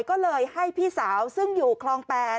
ก็เลยให้พี่สาวซึ่งอยู่คลอง๘